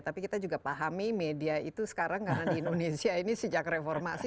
tapi kita juga pahami media itu sekarang karena di indonesia ini sejak reformasi